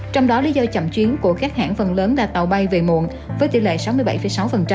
trong đó lý do chậm chuyến của các hãng phần lớn là tàu bay về muộn với tỷ lệ sáu mươi bảy sáu